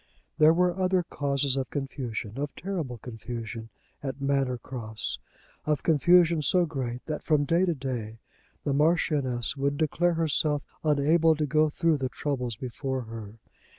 There were other causes of confusion, of terrible confusion, at Manor Cross, of confusion so great that from day to day the Marchioness would declare herself unable to go through the troubles before her.